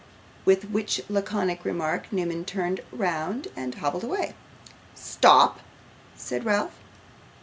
With which laconic remark Newman turned round and hobbled away. 'Stop!' said Ralph.